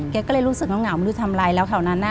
ก็เลยรู้สึกเหงาไม่รู้ทำอะไรแล้วแถวนั้นน่ะ